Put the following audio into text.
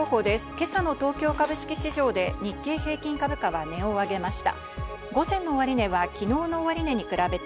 今朝の東京株式市場で日経平均株価は値を上げました。